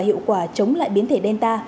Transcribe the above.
hiệu quả chống lại biến thể delta